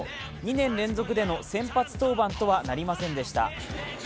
２年連続での先発登板とはなりませんでした。